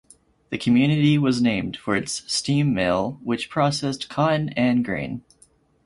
The community was named for its steam mill which processed cotton and grain.